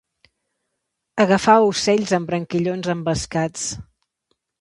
Agafar ocells amb branquillons envescats.